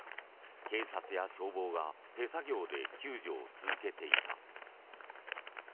警察や消防が手作業で救助を続けていた。